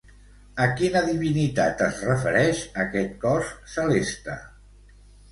A quina divinitat es refereix aquest cos celeste?